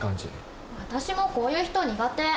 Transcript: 私もこういう人苦手。